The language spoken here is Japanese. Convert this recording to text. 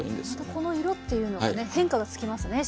またこの色っていうのがね変化がつきますね